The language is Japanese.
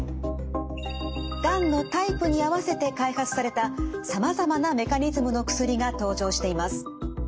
がんのタイプに合わせて開発されたさまざまなメカニズムの薬が登場しています。